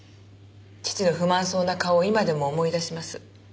父の不満そうな顔を今でも思い出します。